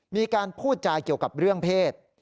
มีการพูดจาเกี่ยวกับเรื่องเพศ